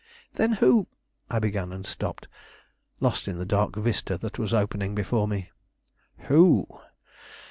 "Then who " I began, and stopped, lost in the dark vista that was opening before me. "Who?